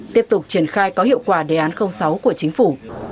tiếp tục triển khai có hiệu quả đề án sáu của chính phủ